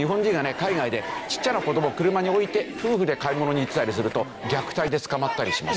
海外でちっちゃな子どもを車に置いて夫婦で買い物に行ってたりすると虐待で捕まったりします。